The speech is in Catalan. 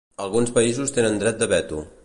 Alguns països tenen dret de veto.